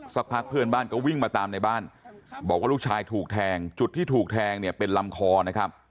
สักพักเพื่อนบ้านก็วิ่งมาตามในบ้านบอกว่าลูกชายถูกแทงจุดที่ถูกแทงเนี่ยเป็นลำคอนะครับ